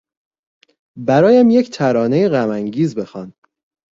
برایم یک ترانهی غمانگیز بخوان.